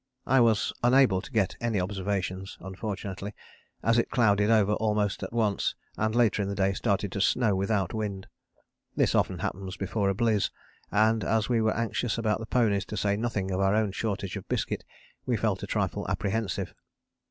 I was unable to get any observations, unfortunately, as it clouded over almost at once and later in the day started to snow without wind. This often happens before a bliz, and as we were anxious about the ponies to say nothing of our own shortage of biscuit we felt a trifle apprehensive.